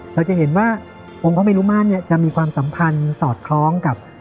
เราจะเห็นว่าองค์พระเมรุมาตรจะมีความสัมพันธ์สอดคล้องกับ